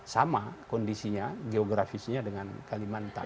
sama kondisinya geografisnya dengan kalimantan